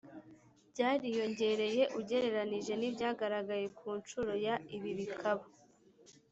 byariyongereye ugereranije n ibyagaragaye ku nshuro ya ibi bikaba